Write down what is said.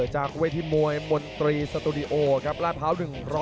จากเวทีมวยมนตรีสตูดิโอครับลาดพร้าว๑๐